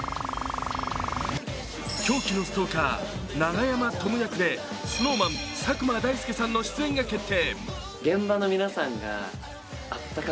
狂気のストーカー・永山吐夢役でＳｎｏｗＭａｎ・佐久間大介さんの出演が決定。